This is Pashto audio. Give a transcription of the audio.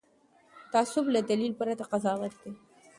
تعصب له دلیل پرته قضاوت دی